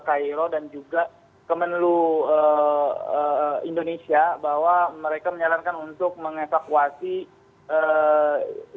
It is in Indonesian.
cairo dan juga kemenlu indonesia bahwa mereka menyarankan untuk mengevakuasi